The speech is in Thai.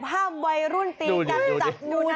ห้ามไวรุ่นตีกับจัดมูน